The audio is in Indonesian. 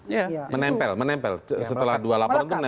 ya menempel menempel setelah dua laporan itu